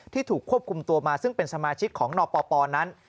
ถูกควบคุมตัวมาซึ่งเป็นสมาชิกของนปปนั้น